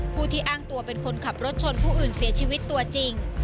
ผู้ที่อ้างตัวเป็นคนขับรถชนผู้อื่นเสียชีวิตตัวจริง